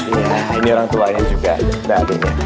iya ini orang tuanya juga gak adanya